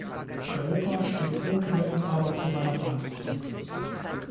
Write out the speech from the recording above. Europa steht ohne Wenn und Aber zu seiner Verantwortung.